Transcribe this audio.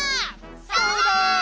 そうだ！